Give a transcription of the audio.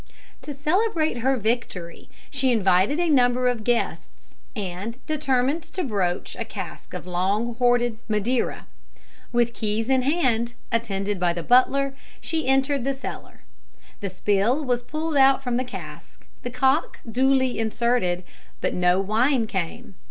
To celebrate her victory, she invited a number of guests, and determined to broach a cask of long hoarded Madeira. With keys in hand, attended by the butler, she entered the cellar; the spill was pulled out from the cask, the cock duly inserted, but no wine came.